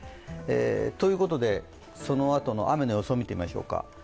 ということで、そのあとの雨の予想を見てみましょうか。